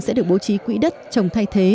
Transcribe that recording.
sẽ được bố trí quỹ đất trồng thay thế